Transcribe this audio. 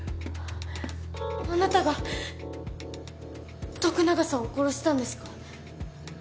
あなたが徳永さんを殺したんですか？